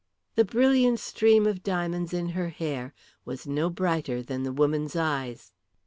The brilliant stream of diamonds in her hair was no brighter than the woman's eyes.